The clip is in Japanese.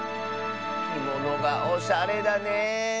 きものがおしゃれだね。